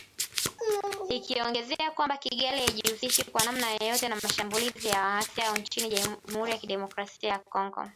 Ikiongezea kwamba Kigali haijihusishi kwa namna yoyote na mashambulizi ya waasi hao nchini Jamuhuri ya kidemokrasia ya Kongo